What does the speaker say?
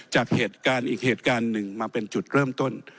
จากเหตุการณ์อีกเหตุการณ์หนึ่งมาเป็นจุดเริ่มต้น